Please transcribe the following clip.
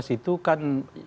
dua ribu sembilan belas itu kan